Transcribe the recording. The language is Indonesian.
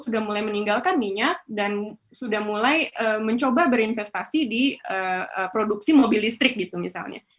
dan sudah mulai mencoba berinvestasi di produksi mobil listrik gitu misalnya